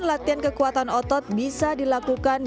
latihan kekuatan otot bisa dilakukan